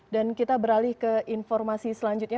dan kita beralih ke informasi selanjutnya